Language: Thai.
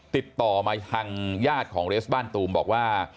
ติดต่อมาทางญาติของเรสบ้านตูมบอกว่า